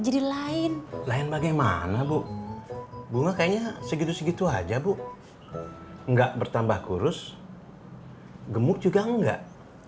lain lain bagaimana bu bunga kayaknya segitu segitu aja bu enggak bertambah kurus gemuk juga enggak